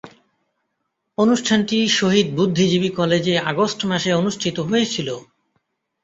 অনুষ্ঠানটি শহীদ বুদ্ধিজীবী কলেজে আগস্ট মাসে অনুষ্ঠিত হয়েছিলো।